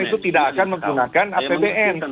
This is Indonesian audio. itu tidak akan menggunakan apbn